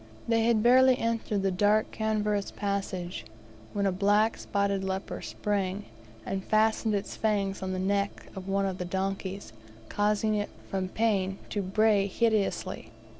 They had barely entered the dark cavernous passage, when a black spotted leopard sprang, and fastened its fangs in the neck of one of the donkeys, causing it, from the pain, to bray hideously.